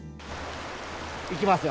いきますよ。